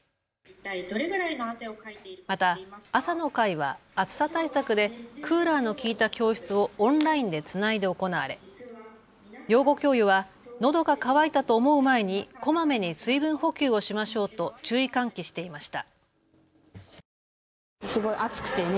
また朝の会は暑さ対策でクーラーの効いた教室をオンラインでつないで行われ養護教諭はのどが渇いたと思う前にこまめに水分補給をしましょうと注意喚起していました。